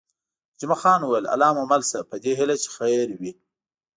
جمعه خان وویل: الله مو مل شه، په دې هیله چې خیر وي.